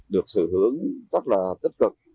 được sự hướng rất là tích cực